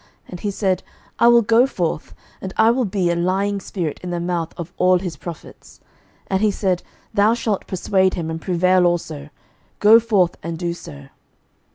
And he said, I will go forth, and I will be a lying spirit in the mouth of all his prophets. And he said, Thou shalt persude him, and prevail also: go forth, and do so.